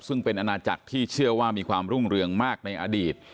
ซึ่งเป็นอาณาจักรที่เชื่อว่ามีความรุ่งเรืองมากในอดีต